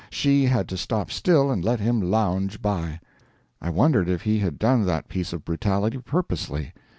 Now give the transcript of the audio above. She had to stop still and let him lounge by. I wondered if he had done that piece of brutality purposely.